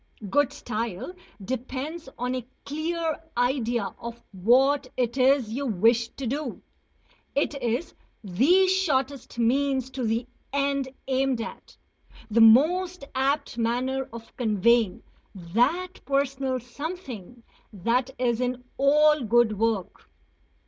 Good style depends on a clear idea of what it is you wish to do; it is the shortest means to the end aimed at, the most apt manner of conveying that personal "something" that is in all good work.